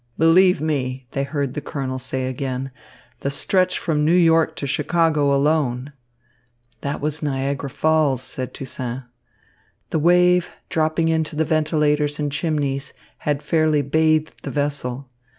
"Believe me," they heard the colonel say again, "the stretch from New York to Chicago alone" "That was a Niagara Falls," said Toussaint. The wave, dropping into the ventilators and chimneys, had fairly bathed the vessel.